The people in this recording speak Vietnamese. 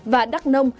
và đắk nông